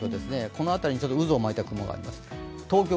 この辺りに渦を巻いた雲があります。